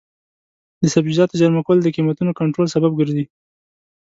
د سبزیجاتو زېرمه کول د قیمتونو کنټرول سبب ګرځي.